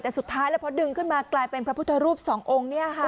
แต่สุดท้ายแล้วพอดึงขึ้นมากลายเป็นพระพุทธรูปสององค์เนี่ยค่ะ